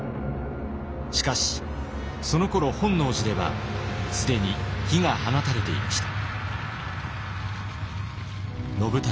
しかしそのころ本能寺では既に火が放たれていました。